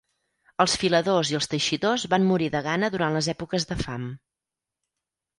Els filadors i els teixidors van morir de gana durant les èpoques de fam.